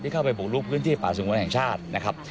เข้าไปบุกลุกพื้นที่ป่าสงวนแห่งชาตินะครับ